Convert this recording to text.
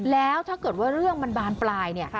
แล้วถ้าเกิดว่าเรื่องมันบานปลายเนี่ย